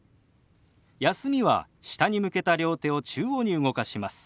「休み」は下に向けた両手を中央に動かします。